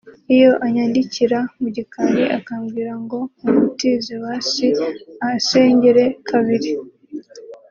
iyo anyandikira mu gikari akambwira ngo mumutize basi ahasengere kabiri